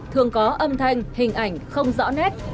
thường có âm thanh hình ảnh không rõ nét